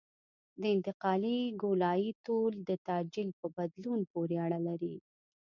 د انتقالي ګولایي طول د تعجیل په بدلون پورې اړه لري